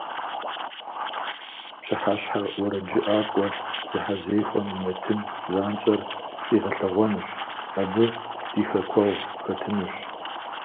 Пщыхьэщхьэ уэрэджыӏакӏуэ зэхьэзэхуэм и нэтын занщӏэр къигъэлъэгъуэнущ, абы ди хэкуэгъу хэтынущ.